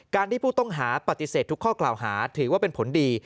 ที่ผู้ต้องหาปฏิเสธทุกข้อกล่าวหาถือว่าเป็นผลดี